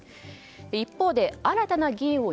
一方で新たな議員を